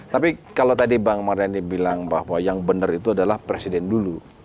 tapi kalau tadi bang mardhani bilang bahwa yang benar itu adalah presiden dulu